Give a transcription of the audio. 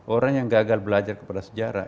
orang yang gagal belajar kepada sejarah